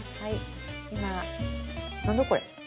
何だこれ？